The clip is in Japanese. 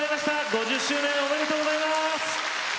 ５０周年おめでとうございます！